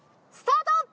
スタート！